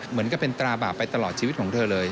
เหมือนกับเป็นตราบาปไปตลอดชีวิตของเธอเลย